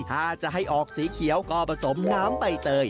ถ้าจะให้ออกสีเขียวก็ผสมน้ำใบเตย